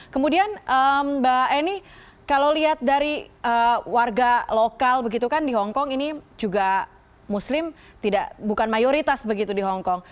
kemudian mbak eni kalau lihat dari warga lokal begitu kan di hongkong ini juga muslim bukan mayoritas begitu di hongkong